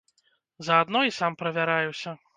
Заадно і сам правяраюся.